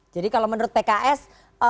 jadi kalau menurut pks